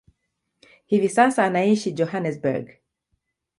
Hivi sasa anaishi Johannesburg.